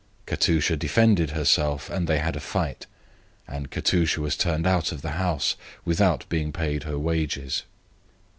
Katusha defended herself, and they had a fight, and Katusha got turned out of the house without being paid her wages.